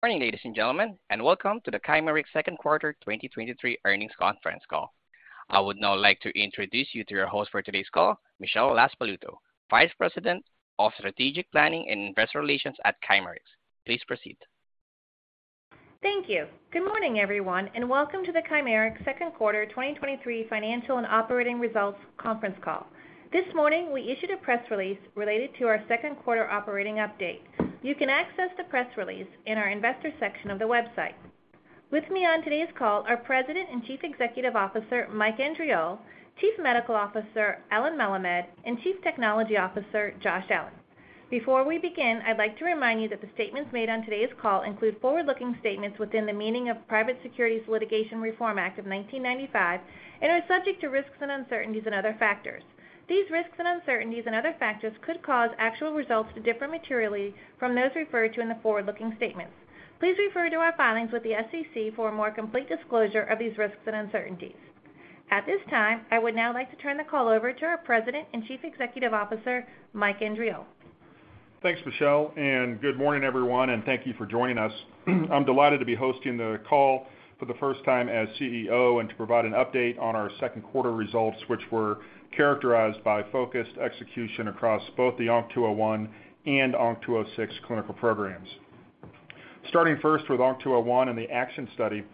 Good morning, ladies and gentlemen, welcome to the Chimerix second quarter 2023 earnings conference call. I would now like to introduce you to your host for today's call, Michelle LaSpaluto, Vice President of Strategic Planning and Investor Relations at Chimerix. Please proceed. Thank you. Good morning, everyone, welcome to the Chimerix second quarter 2023 financial and operating results conference call. This morning, we issued a press release related to our second quarter operating update. You can access the press release in our Investors section of the website. With me on today's call are President and Chief Executive Officer, Mike Andriole, Chief Medical Officer, Allen Melemed, and Chief Technology Officer, Josh Allen. Before we begin, I'd like to remind you that the statements made on today's call include forward-looking statements within the meaning of Private Securities Litigation Reform Act of 1995 and are subject to risks and uncertainties and other factors. These risks and uncertainties and other factors could cause actual results to differ materially from those referred to in the forward-looking statements. Please refer to our filings with the SEC for a more complete disclosure of these risks and uncertainties. At this time, I would now like to turn the call over to our President and Chief Executive Officer, Mike Andriole. Thanks, Michelle, and good morning, everyone, and thank you for joining us. I'm delighted to be hosting the call for the first time as CEO and to provide an update on our second quarter results, which were characterized by focused execution across both the ONC201 and ONC206 clinical programs. Starting first with ONC201 and the ACTION study,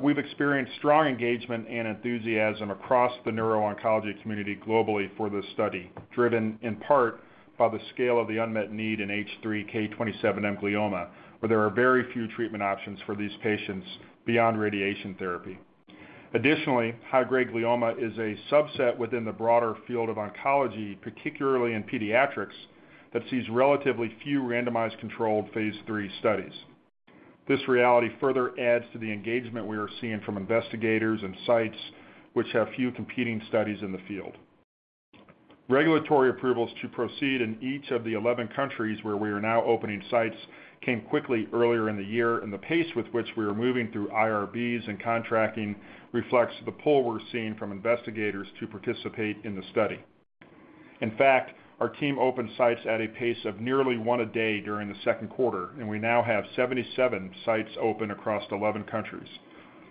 we've experienced strong engagement and enthusiasm across the neuro-oncology community globally for this study, driven in part by the scale of the unmet need in H3K27M glioma, where there are very few treatment options for these patients beyond radiation therapy. Additionally, high-grade glioma is a subset within the broader field of oncology, particularly in pediatrics, that sees relatively few randomized controlled phase III studies. This reality further adds to the engagement we are seeing from investigators and sites, which have few competing studies in the field. Regulatory approvals to proceed in each of the 11 countries where we are now opening sites came quickly earlier in the year. The pace with which we are moving through IRBs and contracting reflects the pull we're seeing from investigators to participate in the study. In fact, our team opened sites at a pace of nearly one a day during the second quarter. We now have 77 sites open across 11 countries.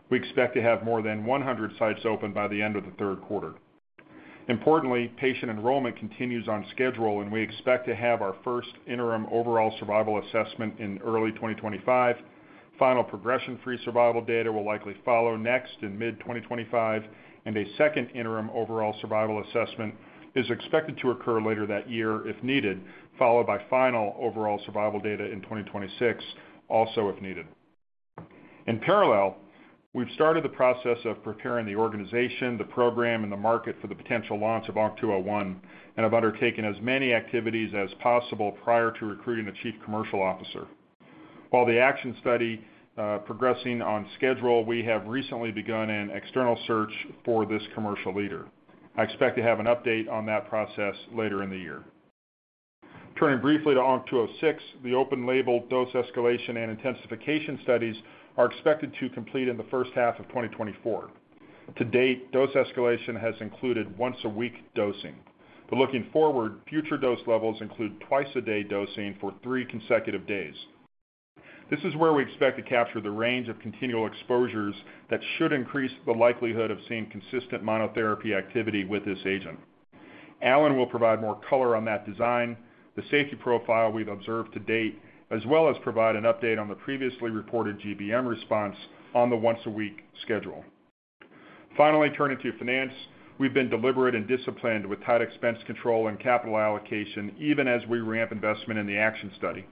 We expect to have more than 100 sites open by the end of the third quarter. Importantly, patient enrollment continues on schedule. We expect to have our first interim overall survival assessment in early 2025. Final progression-free survival data will likely follow next in mid-2025, and a second interim overall survival assessment is expected to occur later that year, if needed, followed by final overall survival data in 2026, also if needed. In parallel, we've started the process of preparing the organization, the program, and the market for the potential launch of ONC201, and have undertaken as many activities as possible prior to recruiting a chief commercial officer. While the ACTION study progressing on schedule, we have recently begun an external search for this commercial leader. I expect to have an update on that process later in the year. Turning briefly to ONC206, the open-label dose escalation and intensification studies are expected to complete in the first half of 2024. To date, dose escalation has included once-weekly dosing. Looking forward, future dose levels include twice-a-day dosing for three consecutive days. This is where we expect to capture the range of continual exposures that should increase the likelihood of seeing consistent monotherapy activity with this agent. Allen will provide more color on that design, the safety profile we've observed to date, as well as provide an update on the previously reported GBM response on the once-weekly schedule. Finally, turning to finance. We've been deliberate and disciplined with tight expense control and capital allocation, even as we ramp investment in the ACTION study.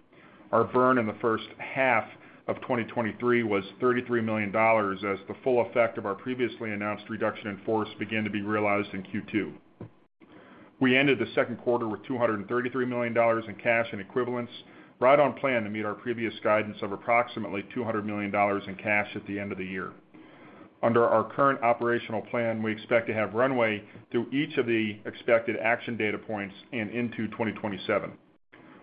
Our burn in the first half of 2023 was $33 million, as the full effect of our previously announced reduction in force began to be realized in Q2. We ended the second quarter with $233 million in cash and equivalents, right on plan to meet our previous guidance of approximately $200 million in cash at the end of the year. Under our current operational plan, we expect to have runway through each of the expected ACTION data points and into 2027.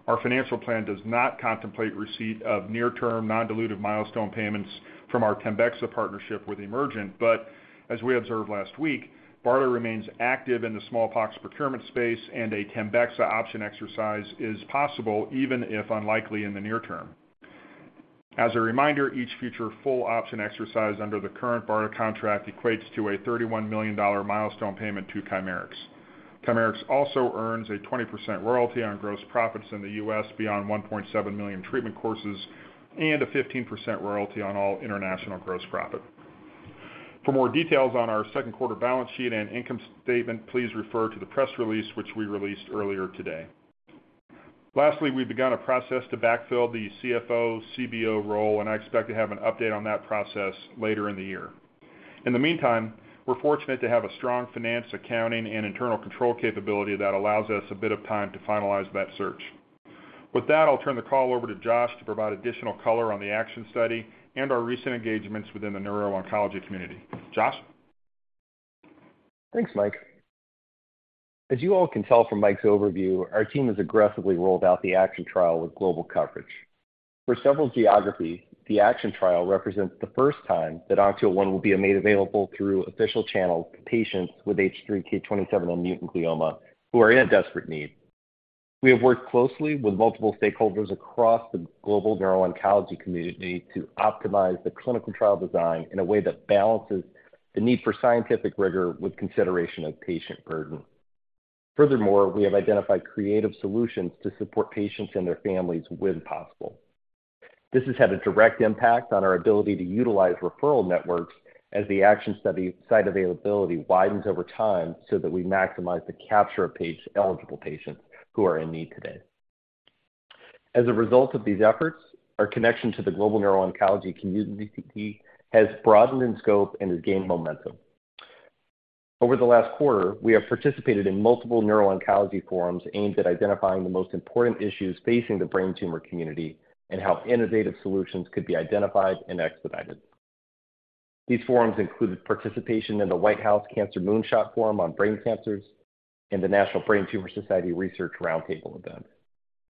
Our financial plan does not contemplate receipt of near-term, non-dilutive milestone payments from our TEMBEXA partnership with Emergent, but as we observed last week, BARDA remains active in the smallpox procurement space, and a TEMBEXA option exercise is possible, even if unlikely in the near term. As a reminder, each future full option exercise under the current BARDA contract equates to a $31 million milestone payment to Chimerix. Chimerix also earns a 20% royalty on gross profits in the U.S. beyond 1.7 million treatment courses and a 15% royalty on all international gross profit. For more details on our second-quarter balance sheet and income statement, please refer to the press release, which we released earlier today. Lastly, we've begun a process to backfill the CFO, CBO role, and I expect to have an update on that process later in the year. In the meantime, we're fortunate to have a strong finance, accounting, and internal control capability that allows us a bit of time to finalize that search. With that, I'll turn the call over to Josh to provide additional color on the ACTION study and our recent engagements within the neuro-oncology community. Josh? Thanks, Mike. As you all can tell from Mike's overview, our team has aggressively rolled out the ACTION trial with global coverage. For several geographies, the ACTION trial represents the first time that ONC201 will be made available through official channels to patients with H3K27M-mutant glioma who are in desperate need. We have worked closely with multiple stakeholders across the global neuro-oncology community to optimize the clinical trial design in a way that balances the need for scientific rigor with consideration of patient burden. Furthermore, we have identified creative solutions to support patients and their families when possible. This has had a direct impact on our ability to utilize referral networks as the ACTION study site availability widens over time, so that we maximize the capture of page-eligible patients who are in need today. As a result of these efforts, our connection to the global neuro-oncology community has broadened in scope and has gained momentum. Over the last quarter, we have participated in multiple neuro-oncology forums aimed at identifying the most important issues facing the brain tumor community and how innovative solutions could be identified and expedited. These forums included participation in the White House Cancer Moonshot Forum on brain cancers and the National Brain Tumor Society Research Roundtable event.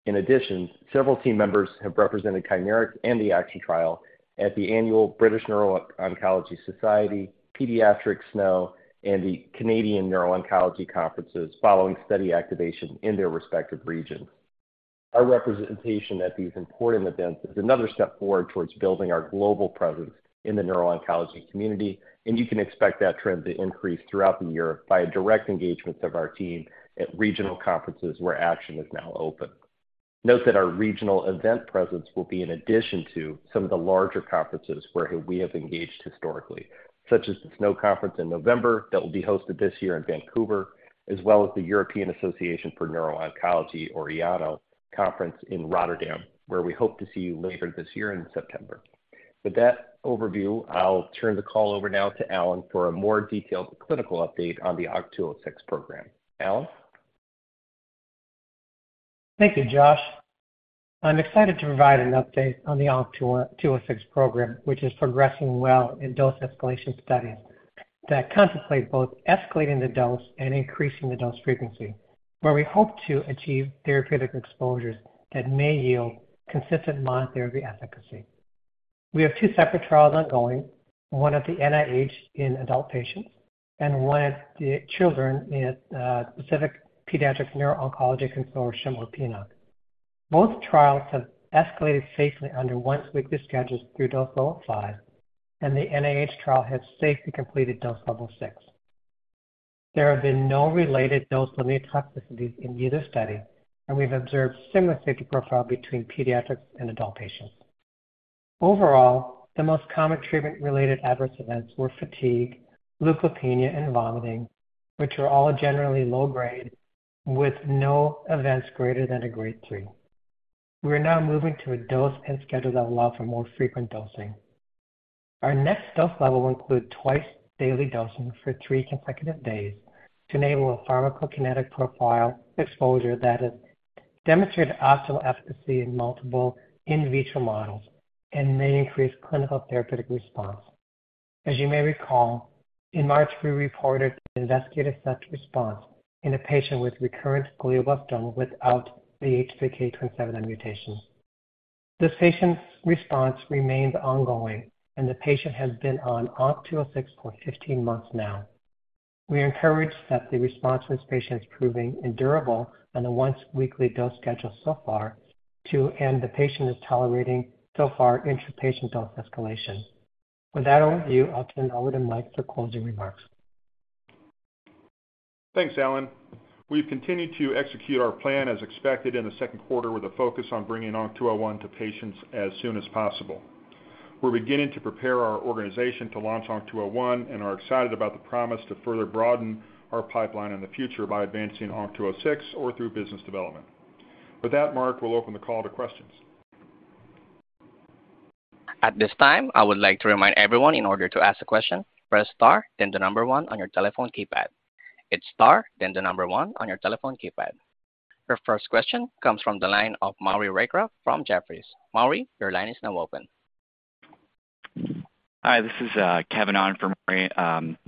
In addition, several team members have represented Chimerix and the ACTION trial at the annual British Neuro-Oncology Society, Pediatric SNO, and the Canadian Neuro-Oncology conferences, following study activation in their respective regions. Our representation at these important events is another step forward towards building our global presence in the neuro-oncology community, and you can expect that trend to increase throughout the year by direct engagements of our team at regional conferences where ACTION is now open. Note that our regional event presence will be in addition to some of the larger conferences where we have engaged historically, such as the SNO Conference in November, that will be hosted this year in Vancouver, as well as the European Association for Neuro-Oncology, or EANO, conference in Rotterdam, where we hope to see you later this year in September. With that overview, I'll turn the call over now to Allen for a more detailed clinical update on the ONC206 program. Allen? Thank you, Josh. I'm excited to provide an update on the ONC206 program, which is progressing well in dose escalation studies that contemplate both escalating the dose and increasing the dose frequency, where we hope to achieve therapeutic exposures that may yield consistent monotherapy efficacy. We have two separate trials ongoing, one at the NIH in adult patients and one at the children at Pacific Pediatric Neuro-Oncology Consortium, or PNOC. Both trials have escalated safely under once-weekly Dose Level 5, and the NIH trial has safely completed Dose Level 6. There have been no related dose-limiting toxicities in either study, and we've observed similar safety profile between pediatrics and adult patients. Overall, the most common treatment-related adverse events were fatigue, leukopenia, and vomiting, which were all generally low grade, with no events greater than a Grade 3. We are now moving to a dose and schedule that will allow for more frequent dosing. Our next dose level will include twice-daily dosing for three consecutive days to enable a pharmacokinetic profile exposure that has demonstrated optimal efficacy in multiple in vitro models and may increase clinical therapeutic response. As you may recall, in March, we reported an investigative set response in a patient with recurrent glioblastoma without the H3K27M mutation. This patient's response remains ongoing, and the patient has been on ONC206 for 15 months now. We are encouraged that the response to this patient is proving endurable on a once-weekly dose schedule so far. The patient is tolerating, so far, intrapatient dose escalation. With that overview, I'll turn over to Mike for closing remarks. Thanks, Allen. We've continued to execute our plan as expected in the second quarter, with a focus on bringing ONC201 to patients as soon as possible. We're beginning to prepare our organization to launch ONC201 and are excited about the promise to further broaden our pipeline in the future by advancing ONC206 or through business development. With that, Mark, we'll open the call to questions. At this time, I would like to remind everyone, in order to ask a question, press star, then the number one on your telephone keypad. It's star, then the number one on your telephone keypad. Your first question comes from the line of Maury Raycroft from Jefferies. Maury, your line is now open. Hi, this is Kevin on for Maury.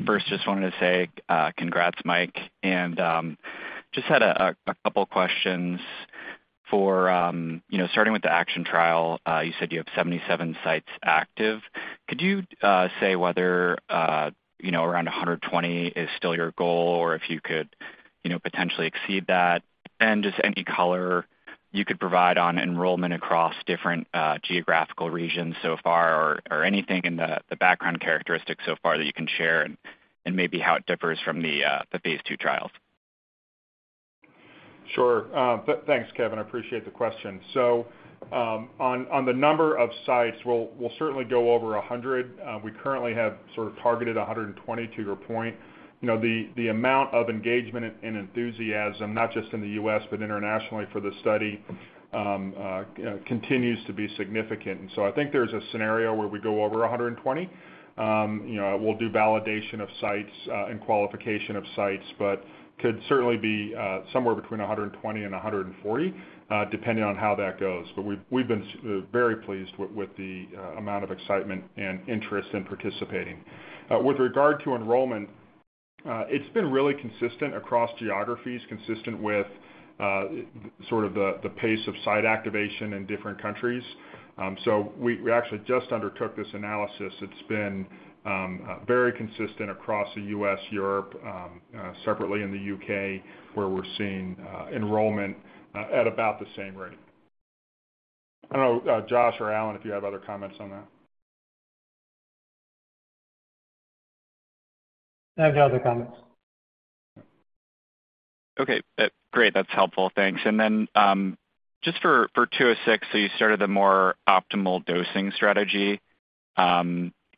First, just wanted to say, congrats, Mike. Just had a couple of questions for, you know, starting with the ACTION trial. You said you have 77 sites active. Could you say whether, you know, around 120 is still your goal or if you could, you know, potentially exceed that? Just any color you could provide on enrollment across different geographical regions so far or anything in the background characteristics so far that you can share and maybe how it differs from the phase II trials? Sure. Thanks, Kevin. I appreciate the question. On the number of sites, we'll certainly go over 100. We currently have sort of targeted 120, to your point. You know, the amount of engagement and enthusiasm, not just in the U.S., but internationally for the study, continues to be significant. I think there's a scenario where we go over 120. You know, we'll do validation of sites and qualification of sites, could certainly be somewhere between 120 and 140, depending on how that goes. We've, we've been very pleased with the amount of excitement and interest in participating. With regard to enrollment, it's been really consistent across geographies, consistent with, sort of the, the pace of site activation in different countries. We actually just undertook this analysis. It's been very consistent across the U.S., Europe, separately in the U.K., where we're seeing enrollment at about the same rate. I don't know, Josh or Allen, if you have other comments on that? I have no other comments. Okay, great. That's helpful. Thanks. Just for 206, you started the more optimal dosing strategy.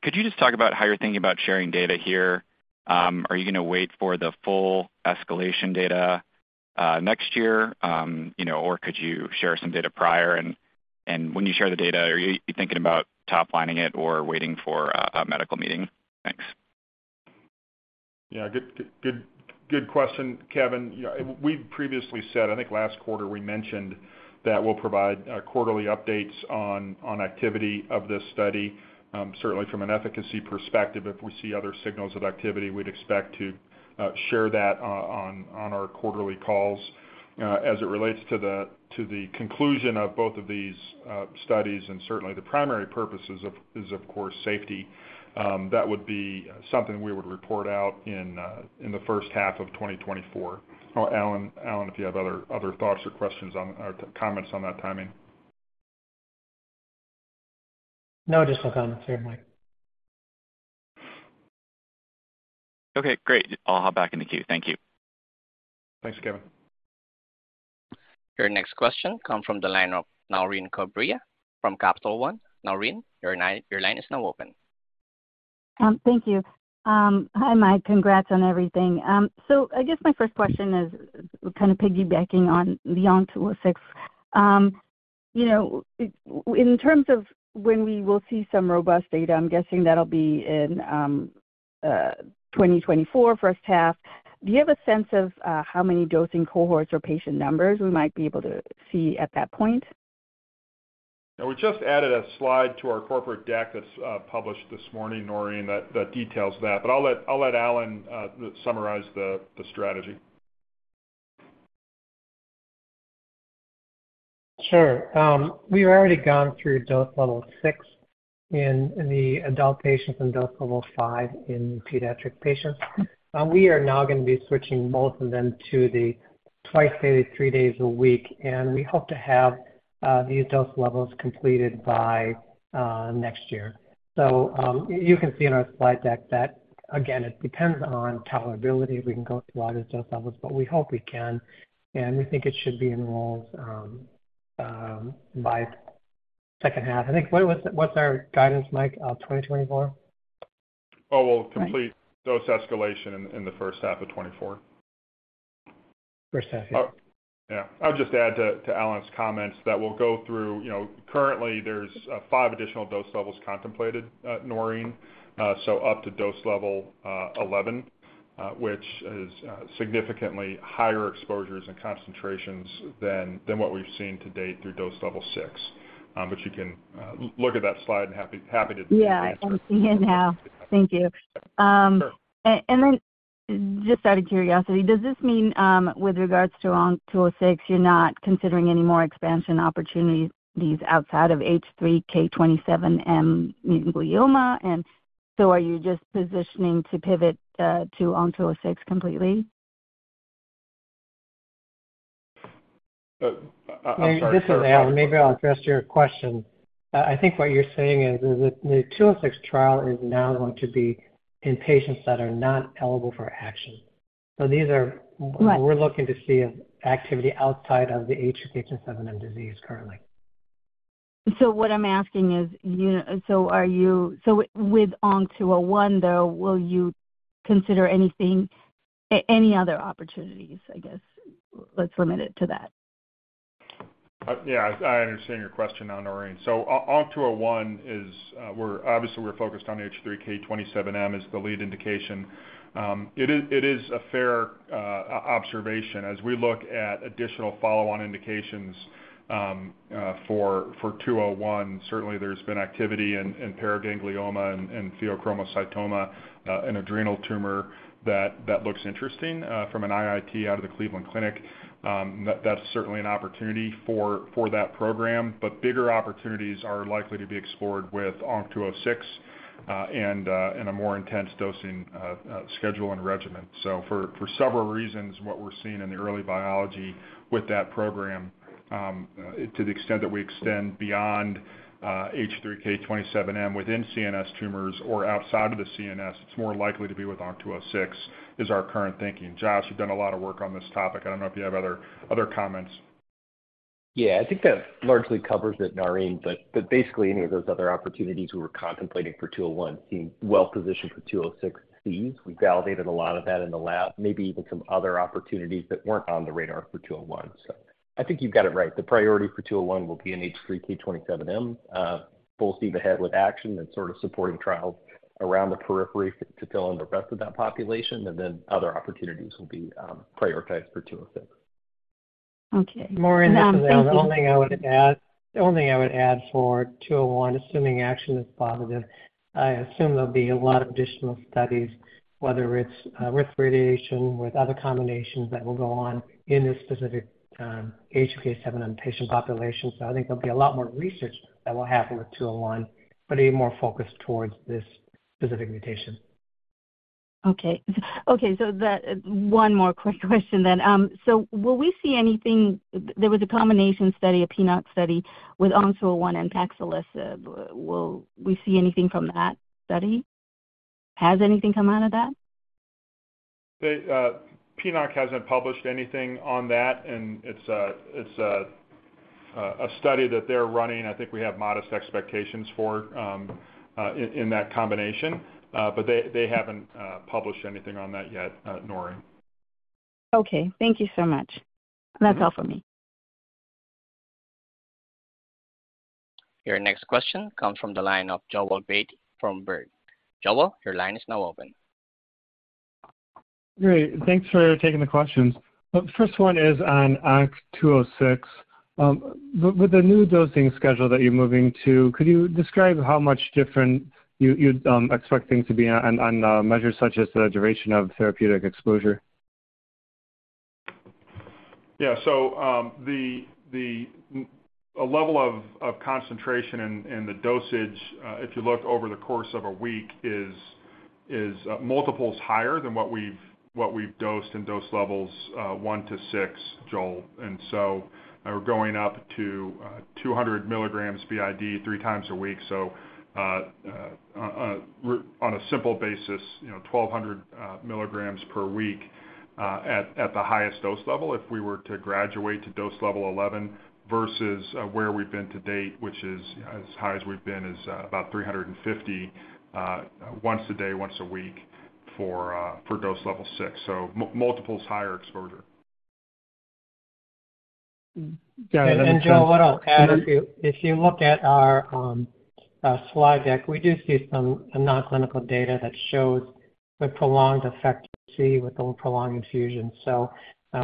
Could you just talk about how you're thinking about sharing data here? Are you gonna wait for the full escalation data next year, you know, or could you share some data prior? When you share the data, are you thinking about top-lining it or waiting for a medical meeting? Thanks. Yeah, good, good, good question, Kevin. Yeah, we've previously said, I think last quarter we mentioned that we'll provide quarterly updates on activity of this study. Certainly from an efficacy perspective, if we see other signals of activity, we'd expect to share that on our quarterly calls. As it relates to the conclusion of both of these studies, and certainly the primary purposes is, of course, safety, that would be something we would report out in the first half of 2024. Oh, Allen, Allen, if you have other, other thoughts or questions on, or comments on that timing. No, just no comments here, Mike. Okay, great. I'll hop back in the queue. Thank you. Thanks, Kevin. Your next question comes from the line of Noreen Corbrea from Capital One. Noreen, your line is now open. Thank you. Hi, Mike. Congrats on everything. I guess my first question is kind of piggybacking on the ONC206. You know, in terms of when we will see some robust data, I'm guessing that'll be in 2024, first half. Do you have a sense of how many dosing cohorts or patient numbers we might be able to see at that point? We just added a slide to our corporate deck that's published this morning, Noreen, that details that, but I'll let Allen summarize the strategy. Sure. We've already gone through Dose Level 6 in the adult Dose Level 5 in pediatric patients. We are now gonna be switching both of them to the twice-daily, three days a week, and we hope to have these dose levels completed by next year. You can see in our slide deck that again, it depends on tolerability. We can go through other dose levels, but we hope we can, and we think it should be enrolled by second half. I think, what was, what's our guidance, Mike, 2024? Oh, we'll complete dose escalation in the first half of 2024. First half, yeah. Yeah. I'll just add to Allen's comments that we'll go through. You know, currently there's five additional dose levels contemplated, Noreen, so up to Dose Level 11, which is significantly higher exposures and concentrations than what we've seen to date through Dose Level 6. You can look at that slide. I'm happy, happy to- Yeah, I can see it now. Thank you. Sure. Just out of curiosity, does this mean, with regards to ONC206, you're not considering any more expansion opportunities outside H3K27M-mutant glioma? Are you just positioning to pivot to ONC206 completely? I'm sorry. This is Allen. Maybe I'll address your question. I think what you're saying is, is that the ONC206 trial is now going to be in patients that are not eligible for ACTION. Right. We're looking to see activity outside of the H3K27M disease currently. What I'm asking is, you know, with ONC201, though, will you consider anything, any other opportunities, I guess? Let's limit it to that. Yeah, I understand your question now, Noreen. ONC201 is, we're obviously we're focused H3K27M as the lead indication. It is, it is a fair observation. As we look at additional follow-on indications, for ONC201, certainly there's been activity in, in paraganglioma and, and pheochromocytoma, an adrenal tumor that, that looks interesting, from an IIT out of the Cleveland Clinic. That's certainly an opportunity for that program. Bigger opportunities are likely to be explored with ONC206, and in a more intense dosing schedule and regimen. For, for several reasons, what we're seeing in the early biology with that program, to the extent that we extend beyond H3K27M within CNS tumors or outside of the CNS, it's more likely to be with ONC206, is our current thinking. Josh, you've done a lot of work on this topic. I don't know if you have other, other comments. Yeah, I think that largely covers it, Noreen, but basically any of those other opportunities we were contemplating for 201 seem well positioned for 206B. We validated a lot of that in the lab, maybe even some other opportunities that weren't on the radar for 201. I think you've got it right. The priority for 201 will be in H3K27M, both see the head with ACTION and sort of supporting trials around the periphery to fill in the rest of that population, and then other opportunities will be prioritized for 206. Okay. Noreen, the only thing I would add, the only thing I would add for ONC201, assuming ACTION is positive, I assume there'll be a lot of additional studies, whether it's with radiation, with other combinations that will go on in this specific H3K27M patient population. I think there'll be a lot more research that will happen with ONC201, but a more focused towards this specific mutation. Okay, okay, that 1 more quick question then. Will we see anything. There was a combination study, a PNOC study with ONC201 and Paxil. Will we see anything from that study? Has anything come out of that? The PNOC hasn't published anything on that, and it's a, it's a, a study that they're running. I think we have modest expectations for, in, in that combination, but they, they haven't, published anything on that yet, Noreen. Okay, thank you so much. That's all for me. Your next question comes from the line of Joel Beatty from Baird. Joel, your line is now open. Great. Thanks for taking the questions. The first one is on ONC206. With, with the new dosing schedule that you're moving to, could you describe how much different you, you'd expect things to be on, on, on measures such as the duration of therapeutic exposure? The level of concentration and the dosage, if you look over the course of a week, is multiples higher than what we've dosed in Dose Levels 1 to 6, Joel. We're going up to 200 mg BID, 3x a week. On a simple basis, you know, 1,200 mg per week at the highest dose level, if we were to graduate to Dose Level 11 versus where we've been to date, which is as high as we've been, about 350 once a day, once a week for Dose Level 6. Multiples higher exposure. Yeah. Joel, what I'll add, if you, if you look at our slide deck, we do see some non-clinical data that shows the prolonged effect, you see with the prolonged infusion.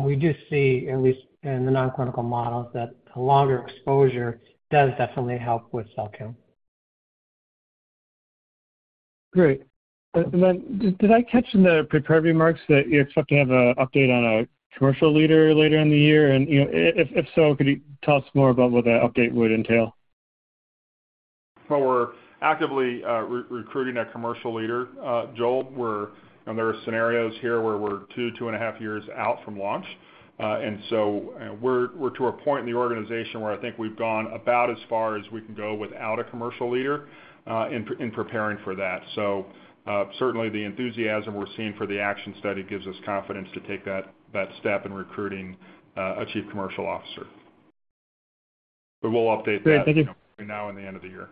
We do see, at least in the non-clinical models, that a longer exposure does definitely help with cell count. Great. Did I catch in the prepared remarks that you expect to have an update on a commercial leader later in the year? You know, if, if so, could you tell us more about what that update would entail? We're actively re-recruiting that commercial leader, Joel. There are scenarios here where we're two, two and a half years out from launch. We're to a point in the organization where I think we've gone about as far as we can go without a commercial leader, in preparing for that. Certainly the enthusiasm we're seeing for the ACTION study gives us confidence to take that step in recruiting a chief commercial officer. We'll update that. Great, thank you. Between now and the end of the year.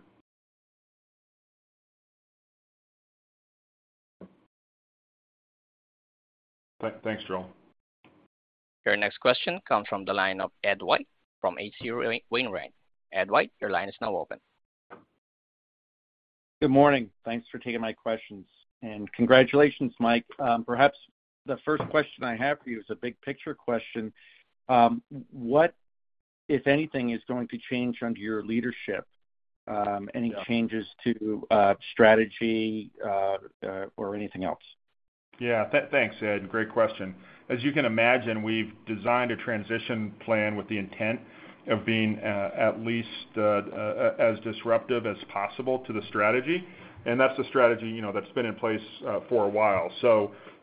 Thanks, Joel. Your next question comes from the line of Ed White, from H.C. Wainwright. Ed White, your line is now open. Good morning. Thanks for taking my questions. Congratulations, Mike. Perhaps the first question I have for you is a big picture question. What, if anything, is going to change under your leadership? Yeah any changes to, strategy, or anything else? Yeah, thanks, Ed. Great question. As you can imagine, we've designed a transition plan with the intent of being, at least, as disruptive as possible to the strategy, and that's the strategy, you know, that's been in place, for a while.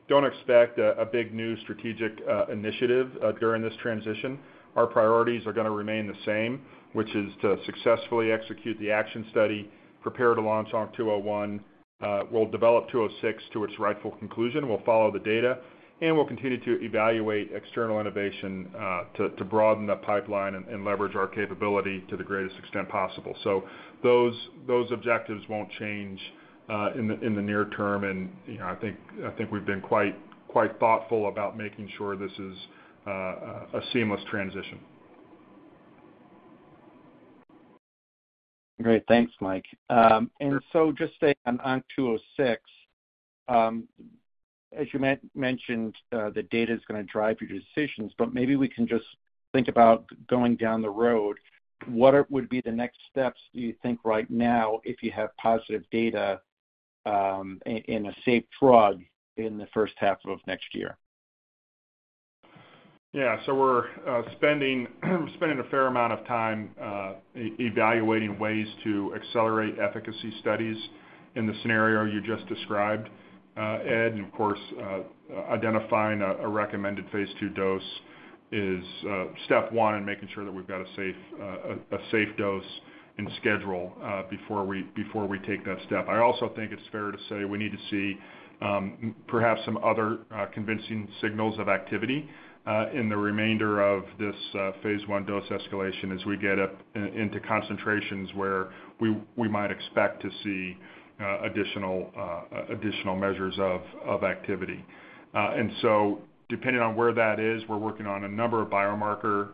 Don't expect a big new strategic initiative during this transition. Our priorities are gonna remain the same, which is to successfully execute the ACTION study, prepare to launch ONC201. We'll develop ONC206 to its rightful conclusion. We'll follow the data, we'll continue to evaluate external innovation to broaden the pipeline and leverage our capability to the greatest extent possible. Those, those objectives won't change, in the, in the near term, and, you know, I think, I think we've been quite, quite thoughtful about making sure this is, a seamless transition. Great. Thanks, Mike. Just stay on ONC206. As you mentioned, the data is gonna drive your decisions, but maybe we can just think about going down the road. What would be the next steps, do you think right now, if you have positive data and a safe drug in the first half of next year? Yeah. We're spending, spending a fair amount of time evaluating ways to accelerate efficacy studies in the scenario you just described, Ed. Of course, identifying a recommended phase II dose is step one in making sure that we've got a safe, a safe dose and schedule before we, before we take that step. I also think it's fair to say we need to see perhaps some other convincing signals of activity in the remainder of this phase I dose escalation as we get up into concentrations where we might expect to see additional, additional measures of activity. So depending on where that is, we're working on a number of biomarker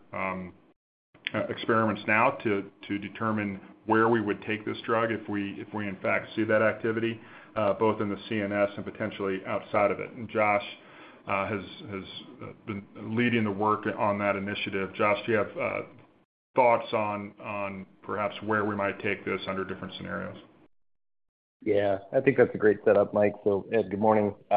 experiments now to determine where we would take this drug if we, if we in fact see that activity, both in the CNS and potentially outside of it. Josh has been leading the work on that initiative. Josh, do you have thoughts on perhaps where we might take this under different scenarios? Yeah, I think that's a great setup, Mike. Ed, good morning. I,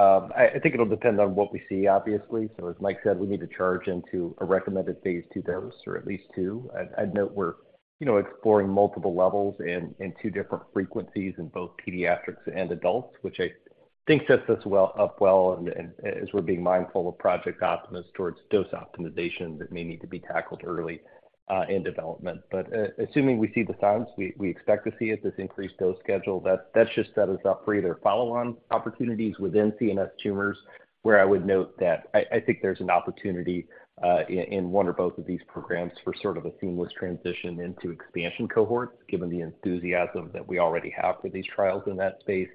I think it'll depend on what we see, obviously. As Mike said, we need to charge into a recommended phase II dose, or at least two. I'd, I'd note we're, you know, exploring multiple levels and, and two different frequencies in both pediatrics and adults, which I think sets us well, up well, and, and as we're being mindful of Project Optimus towards dose optimization that may need to be tackled early, in development. Assuming we see the signs we, we expect to see at this increased dose schedule, that, that just set us up for either follow-on opportunities within CNS tumors, where I would note that I think there's an opportunity in one or both of these programs for sort of a seamless transition into expansion cohorts, given the enthusiasm that we already have for these trials in that space.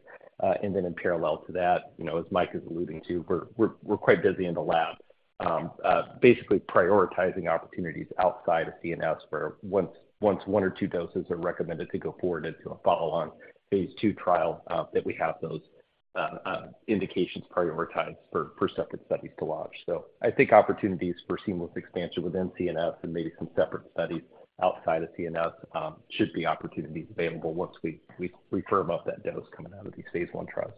In parallel to that, you know, as Mike is alluding to, we're, we're, we're quite busy in the lab, basically prioritizing opportunities outside of CNS for once, once one or two doses are recommended to go forward into a follow-on phase II trial, that we have those indications prioritized for, for separate studies to launch. I think opportunities for seamless expansion within CNS and maybe some separate studies outside of CNS, should be opportunities available once we, we, we firm up that dose coming out of these phase I trials.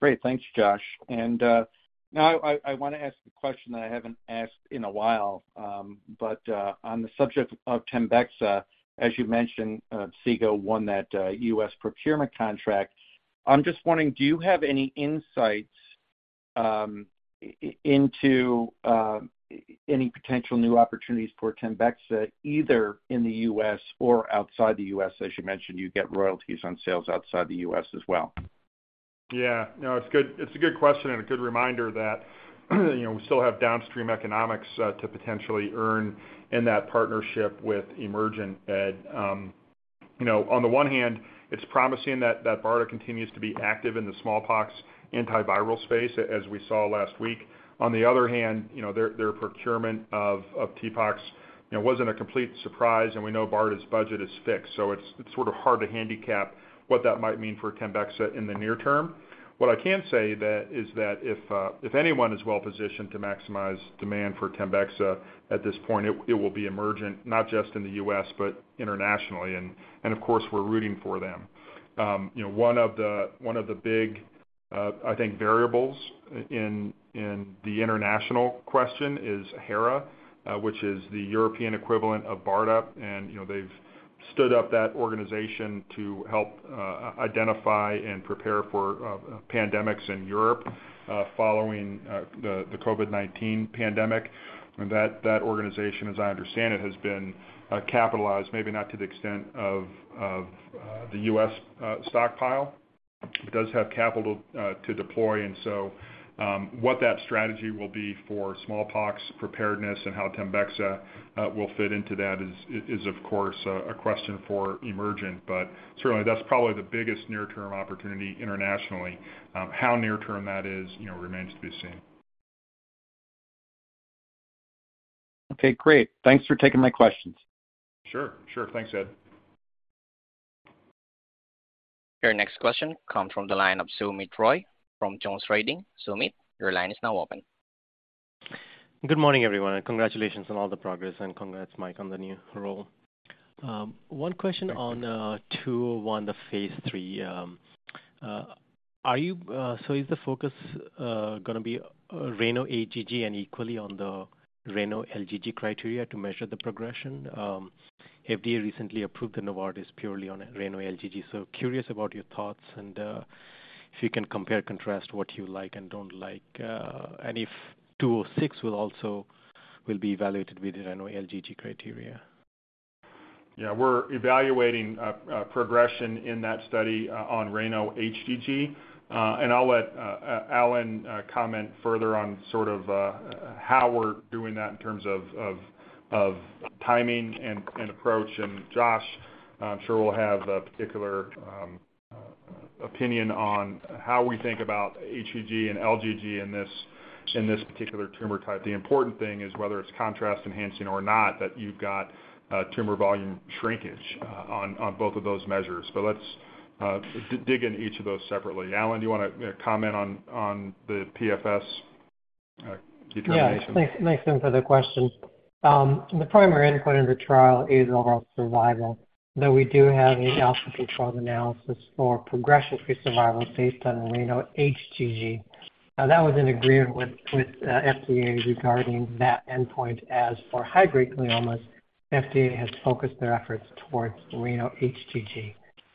Great. Thanks, Josh. Now I, I want to ask a question that I haven't asked in a while. On the subject of TEMBEXA, as you mentioned, SIGA won that U.S. procurement contract. I'm just wondering, do you have any insights into any potential new opportunities for TEMBEXA, either in the U.S. or outside the U.S.? As you mentioned, you get royalties on sales outside the U.S. as well. Yeah. No, it's good. It's a good question and a good reminder that, you know, we still have downstream economics to potentially earn in that partnership with Emergent. Ed, you know, on the one hand, it's promising that BARDA continues to be active in the smallpox antiviral space, as we saw last week. The other hand, you know, their procurement of TPOXX, you know, wasn't a complete surprise, and we know BARDA's budget is fixed, so it's sort of hard to handicap what that might mean for TEMBEXA in the near term. What I can say that, is that if anyone is well-positioned to maximize demand for TEMBEXA at this point, it will be Emergent, not just in the US, but internationally. Of course, we're rooting for them. You know, one of the, one of the big, I think, variables in, in the international question is HERA, which is the European equivalent of BARDA. You know, they've stood up that organization to help identify and prepare for pandemics in Europe following the COVID-19 pandemic. That, that organization, as I understand it, has been capitalized, maybe not to the extent of, of the U.S. stockpile. It does have capital to deploy, and so what that strategy will be for smallpox preparedness and how TEMBEXA will fit into that is, is, of course, a question for Emergent. Certainly, that's probably the biggest near-term opportunity internationally. How near-term that is, you know, remains to be seen. Okay, great. Thanks for taking my questions. Sure. Sure. Thanks, Ed. Your next question comes from the line of Soumit Roy from Jones Trading. Soumit, your line is now open. Good morning, everyone, congratulations on all the progress, and congrats, Mike, on the new role. One question. Thanks. on ONC201, the phase III. Are you, is the focus gonna be RANO HGG and equally on the RANO LGG criteria to measure the progression? FDA recently approved the Novartis purely on RANO LGG, so curious about your thoughts, and if you can compare and contrast what you like and don't like, and if ONC206 will also be evaluated with the RANO LGG criteria. Yeah, we're evaluating a, a progression in that study, on RANO HGG. I'll let, Allen, comment further on sort of, how we're doing that in terms of, of, of timing and, and approach. Josh, I'm sure, will have a particular, opinion on how we think about HGG and LGG in this, in this particular tumor type. The important thing is whether it's contrast enhancing or not, that you've got a tumor volume shrinkage, on, on both of those measures. Let's, dig in each of those separately. Allen, do you want to, you know, comment on, on the PFS, determination? Yeah. Thanks, thanks for the question. The primary endpoint of the trial is overall survival, though we do have a alpha-controlled analysis for progression-free survival based on RANO HGG. That was in agreement with, with FDA regarding that endpoint. As for high-grade gliomas, FDA has focused their efforts towards RANO HGG.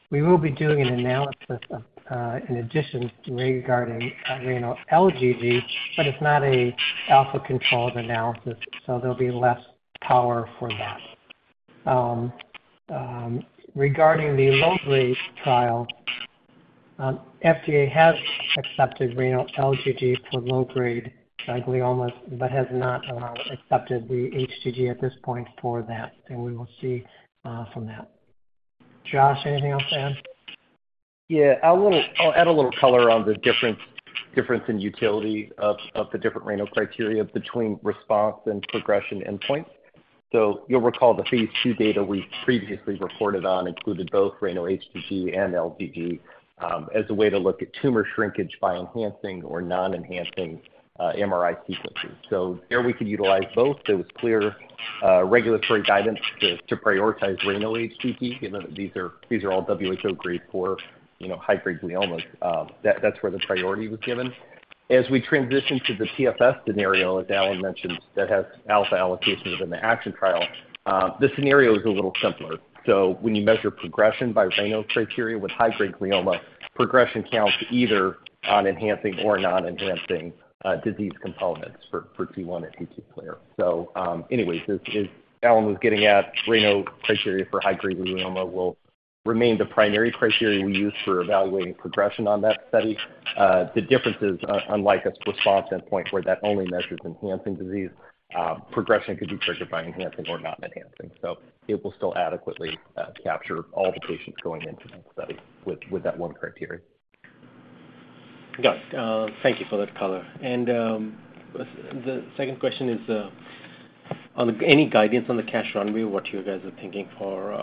We will be doing an analysis in addition regarding RANO LGG, but it's not a alpha-controlled analysis, so there'll be less power for that. Regarding the low-grade trial, FDA has accepted RANO LGG for low-grade gliomas, but has not accepted the HGG at this point for that, and we will see from that. Josh, anything else to add? Yeah, I'll add a little color on the difference, difference in utility of the different RANO criteria between response and progression endpoints. You'll recall the phase II data we previously reported on included both RANO HGG and LGG as a way to look at tumor shrinkage by enhancing or non-enhancing MRI sequences. There, we could utilize both. It was clear regulatory guidance to prioritize RANO HGG, given that these are, these are all WHO Grade 4, you know, high-grade gliomas. That, that's where the priority was given. As we transition to the TFS scenario, as Allen mentioned, that has alpha allocations in the ACTION trial, the scenario is a little simpler. When you measure progression by RANO criteria with high-grade glioma, progression counts either on enhancing or non-enhancing disease components for T1 and T2 clear. Anyways, as, as Allen was getting at, RANO criteria for high-grade glioma will remain the primary criteria we use for evaluating progression on that study. The difference is, unlike a response endpoint where that only measures enhancing disease, progression could be triggered by enhancing or non-enhancing. It will still adequately capture all the patients going into that study with, with that one criteria. Got it. Thank you for that color. The second question is, on the, any guidance on the cash runway, what you guys are thinking for,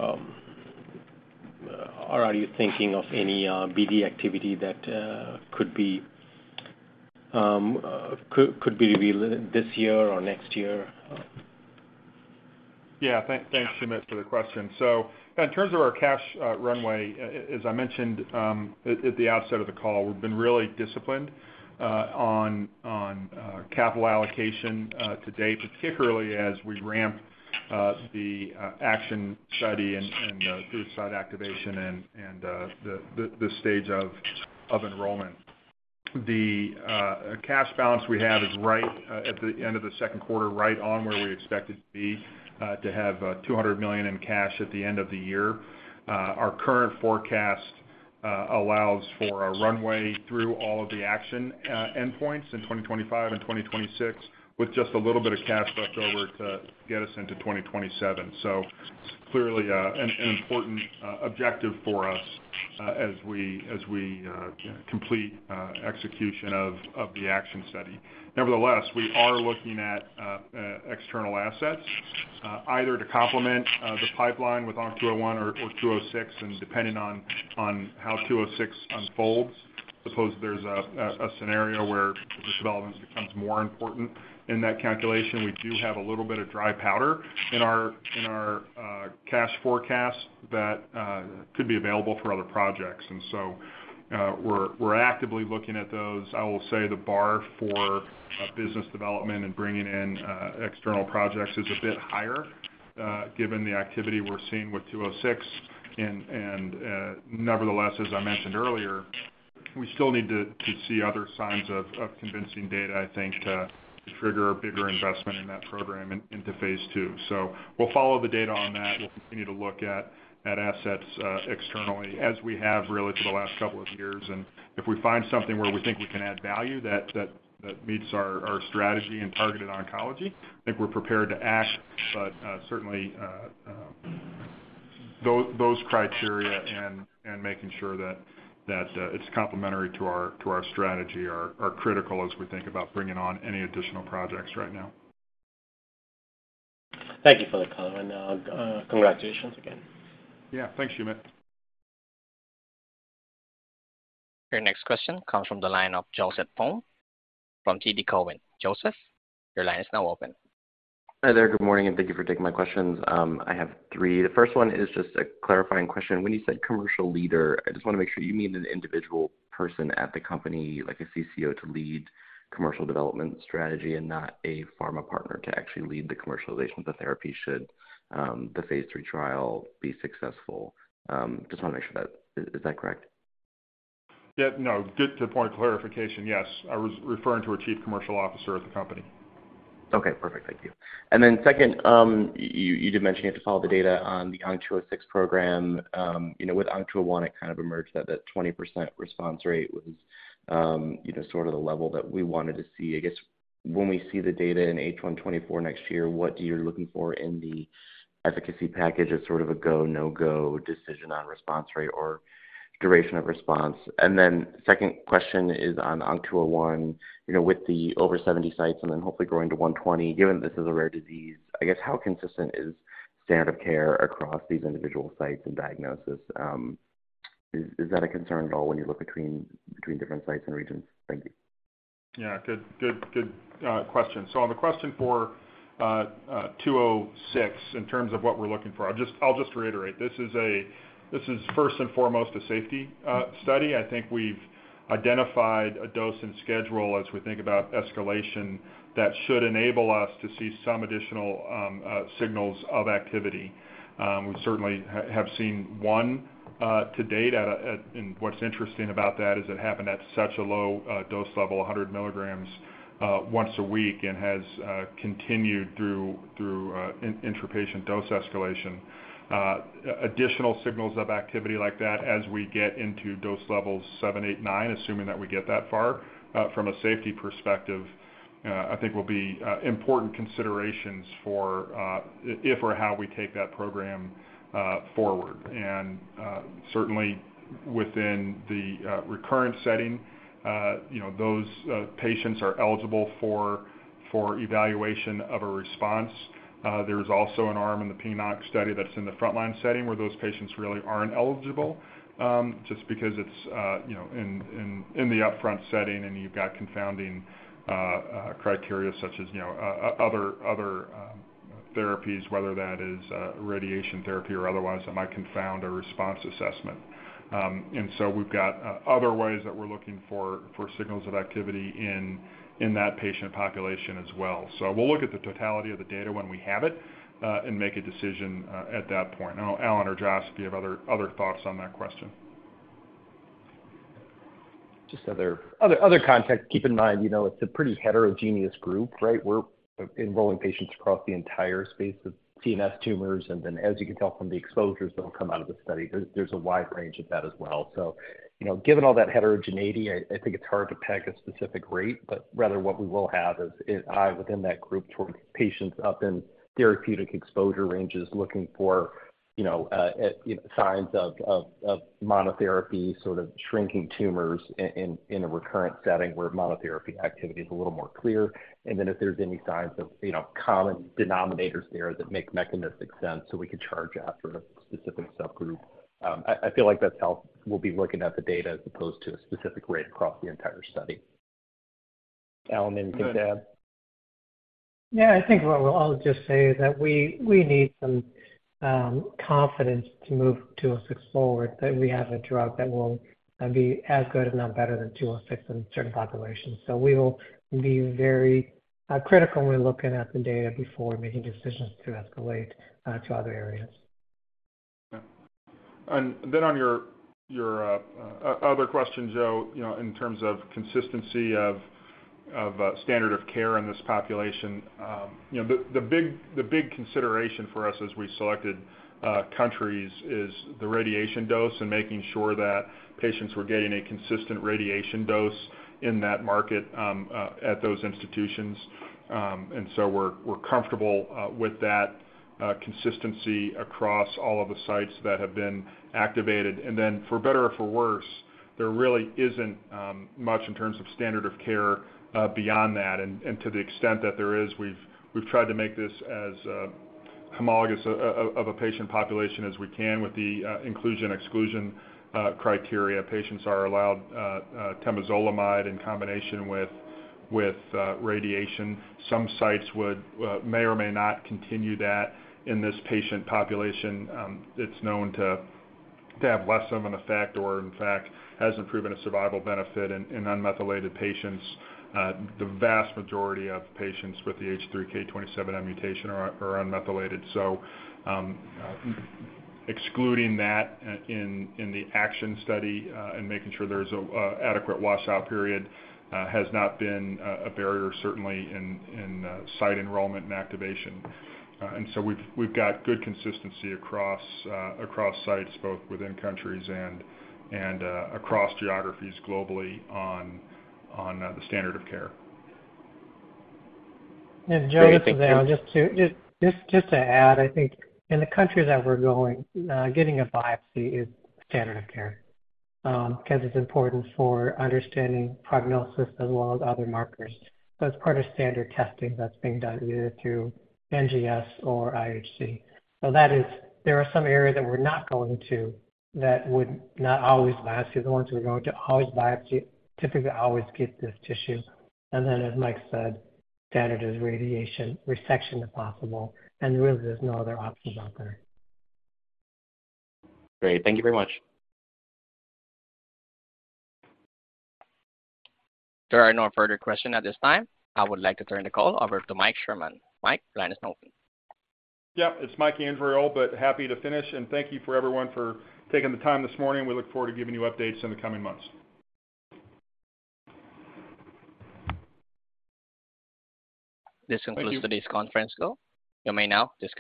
or are you thinking of any BD activity that could be, could be revealed this year or next year? Thanks, Soumit, for the question. In terms of our cash runway, as I mentioned at the outset of the call, we've been really disciplined on capital allocation to date, particularly as we ramp the ACTION study and through site activation and the stage of enrollment. Cash balance we have is right at the end of the second quarter, right on where we expected to be to have $200 million in cash at the end of the year. Our current forecast allows for a runway through all of the ACTION endpoints in 2025 and 2026, with just a little bit of cash left over to get us into 2027. Clearly, an important objective for us as we as we complete execution of the ACTION study. Nevertheless, we are looking at external assets either to complement the pipeline with ONC201 or ONC206, and depending on how ONC206 unfolds, suppose there's a scenario where this development becomes more important in that calculation. We do have a little bit of dry powder in our in our cash forecast that could be available for other projects, and so we're actively looking at those. I will say the bar for business development and bringing in external projects is a bit higher given the activity we're seeing with ONC206. Nevertheless, as I mentioned earlier, we still need to see other signs of convincing data, I think, to trigger a bigger investment in that program into phase II. We'll follow the data on that. We'll continue to look at assets externally as we have really for the last couple of years. If we find something where we think we can add value that meets our strategy in targeted oncology, I think we're prepared to act. Certainly, those criteria and making sure that it's complementary to our strategy are critical as we think about bringing on any additional projects right now. Thank you for the color, and congratulations again. Yeah. Thanks, Soumit. Your next question comes from the line of Joseph Thome from TD Cowen. Joseph, your line is now open. Hi there, good morning, thank you for taking my questions. I have three. The first one is just a clarifying question. When you said commercial leader, I just want to make sure you mean an individual person at the company, like a CCO, to lead commercial development strategy and not a pharma partner to actually lead the commercialization of the therapy should the phase III trial be successful? Just want to make sure that. Is that correct? Yeah. No, good to point clarification. Yes, I was referring to a chief commercial officer at the company. Okay, perfect. Thank you. Then second, you, you did mention you have to follow the data on the ONC206 program. You know, with ONC201, it kind of emerged that that 20% response rate was, you know, sort of the level that we wanted to see. I guess when we see the data in H1 2024, what you're looking for in the efficacy package as sort of a go, no-go decision on response rate or duration of response? Then second question is on ONC201, you know, with the over 70 sites and then hopefully growing to 120, given this is a rare disease, I guess how consistent is standard of care across these individual sites and diagnosis? Is that a concern at all when you look between different sites and regions? Thank you. Yeah, good, good, good question. On the question for ONC206, in terms of what we're looking for, I'll just, I'll just reiterate, this is first and foremost a safety study. I think we've identified a dose and schedule as we think about escalation that should enable us to see some additional signals of activity. We certainly have seen one to date. What's interesting about that is it happened at such a low dose level, 100 mg, once a week, and has continued through, through intrapatient dose escalation. Additional signals of activity like that as we get into Dose Levels 7, 8, 9, assuming that we get that far, from a safety perspective, I think will be important considerations for if or how we take that program forward. Certainly within the recurrent setting, you know, those patients are eligible for, for evaluation of a response. There's also an arm in the PNOC study that's in the frontline setting, where those patients really aren't eligible, just because it's, you know, in, in, in the upfront setting, and you've got confounding criteria such as, you know, other, other therapies, whether that is radiation therapy or otherwise, that might confound a response assessment. So we've got, other ways that we're looking for, for signals of activity in, in that patient population as well. We'll look at the totality of the data when we have it, and make a decision, at that point. I don't know, Allen or Josh, do you have other, other thoughts on that question? Just other, other, other context, keep in mind, you know, it's a pretty heterogeneous group, right? We're enrolling patients across the entire space of CNS tumors, and then as you can tell from the exposures that will come out of the study, there's, there's a wide range of that as well. You know, given all that heterogeneity, I think it's hard to peg a specific rate, but rather, what we will have is, is eye within that group towards patients up in therapeutic exposure ranges, looking for, you know, signs of, of, of monotherapy sort of shrinking tumors in a recurrent setting where monotherapy activity is a little more clear. If there's any signs of, you know, common denominators there that make mechanistic sense, so we could charge after a specific subgroup. I feel like that's how we'll be looking at the data as opposed to a specific rate across the entire study. Allen, anything to add? Yeah, I think what I'll just say is that we, we need some confidence to move ONC206 forward, that we have a drug that will be as good, if not better, than ONC206 in certain populations. We will be very critical when looking at the data before making decisions to escalate to other areas. Yeah. On your, your, other question, Joe, you know, in terms of consistency of, of, standard of care in this population, you know, the, the big, the big consideration for us as we selected, countries is the radiation dose and making sure that patients were getting a consistent radiation dose in that market, at those institutions. So we're, we're comfortable, with that, consistency across all of the sites that have been activated. Then, for better or for worse, there really isn't, much in terms of standard of care, beyond that. To the extent that there is, we've, we've tried to make this as, homologous of a patient population as we can with the, inclusion-exclusion, criteria. Patients are allowed, temozolomide in combination with, with, radiation. Some sites would may or may not continue that in this patient population. It's known to, to have less of an effect, or in fact, hasn't proven a survival benefit in, in unmethylated patients. The vast majority of patients with H3K27M mutation are, are unmethylated. Excluding that in, in the ACTION study, and making sure there's a adequate washout period, has not been a, a barrier, certainly in, in site enrollment and activation. We've, we've got good consistency across across sites, both within countries and, and across geographies globally on, on the standard of care. Yeah, Joe, this is Allen. Just to add, I think in the countries that we're going, getting a biopsy is standard of care, 'cause it's important for understanding prognosis as well as other markers. It's part of standard testing that's being done either through NGS or IHC. That is, there are some areas that we're not going to, that would not always biopsy. The ones we're going to always biopsy, typically always get this tissue. Then, as Mike said, standard is radiation, resection if possible, and really, there's no other options out there. Great. Thank you very much. There are no further question at this time. I would like to turn the call over to Mike Sherman. Mike, line is open. Yeah, it's Mike Andriole, but happy to finish. Thank you for everyone for taking the time this morning. We look forward to giving you updates in the coming months. This concludes- Thank you. Today's conference call. You may now disconnect.